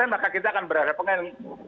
maka kita akan berpengen